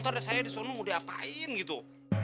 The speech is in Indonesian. gak ada saya di sana mau diapain gitu